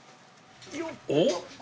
おっ？